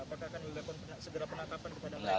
apakah akan meledakkan segera penangkapan kepada